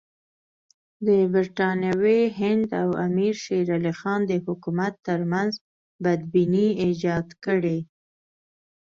د برټانوي هند او امیر شېر علي خان د حکومت ترمنځ بدبیني ایجاد کړي.